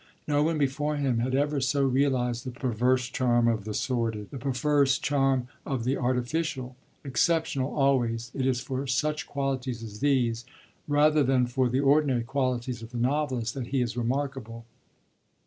No one before him had ever so realised the perverse charm of the sordid, the perverse charm of the artificial. Exceptional always, it is for such qualities as these, rather than for the ordinary qualities of the novelist, that he is remarkable.